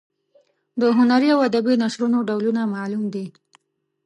د هنري او ادبي نثرونو ډولونه معلوم دي.